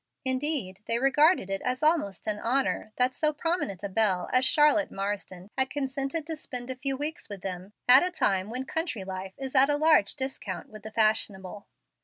Indeed, they regarded it as almost an honor that so prominent a belle as Charlotte Marsden had consented to spend a few weeks with them at a time when country life is at a large discount with the fashionable.